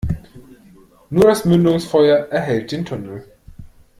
Nur das Mündungsfeuer erhellt den Tunnel.